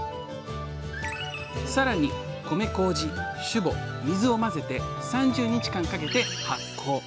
さらに米こうじ酒母水を混ぜて３０日間かけて発酵。